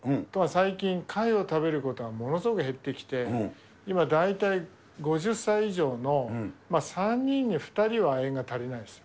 最近、貝を食べることがものすごく減ってきて、今、大体５０歳以上の３人に２人は亜鉛が足りないんです。